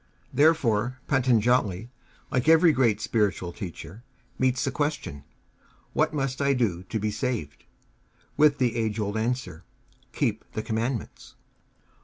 Therefore Patanjali, like every great spiritual teacher, meets the question: What must I do to be saved? with the age old answer: Keep the Commandments.